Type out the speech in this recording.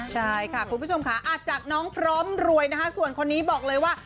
ใช่ค่ะคุณผู้ชมค่ะจากน้องพร้อมรวยนะคะส่วนคนนี้บอกเลยว่า